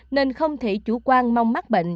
nên không thể chủ quan mong mắc bệnh